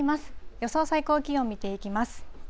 予想最高気温、見ていきます。